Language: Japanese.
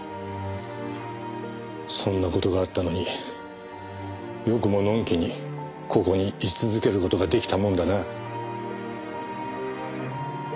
そんな事があったのによくものんきにここに居続ける事が出来たもんだな。